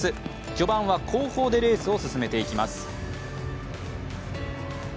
序盤は後方でレースを進めていきます。